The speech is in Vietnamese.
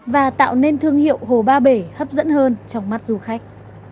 và tạo nên thương hiệu hồ ba bể hấp dẫn hơn trong mắt du khách